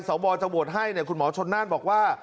สวจะโหวตให้คุณหมอชนนั่นบอกว่า